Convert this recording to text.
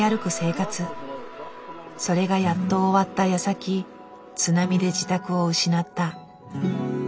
それがやっと終わったやさき津波で自宅を失った。